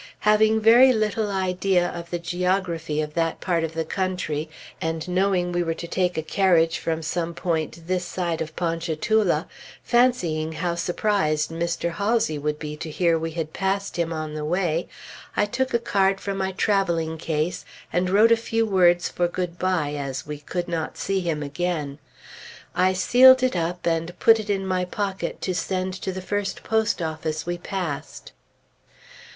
Having very little idea of the geography of that part of the country, and knowing we were to take a carriage from some point this side of Ponchatoula, fancying how surprised Mr. Halsey would be to hear we had passed him on the way, I took a card from my traveling case, and wrote a few words for "good bye," as we could not see him again. I sealed it up, and put it in my pocket to send to the first post office we passed.